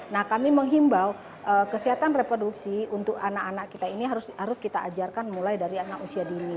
nah kami menghimbau kesehatan reproduksi untuk anak anak kita ini harus kita ajarkan mulai dari anak usia dini